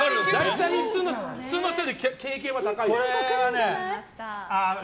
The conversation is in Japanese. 普通の人より経験は高い。